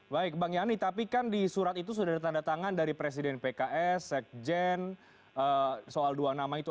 baik bang yani tapi kan di surat itu sudah ada tanda tangan dari presiden pks sekjen soal dua nama itu